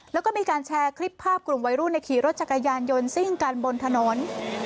แล้วก็มีการแชร์คลิปภาพกลุ่มวัยรุ่นในขี่รถจักรยานยนต์ซิ่งกันบนถนน